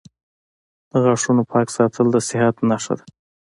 • د غاښونو پاک ساتل د صحت نښه ده.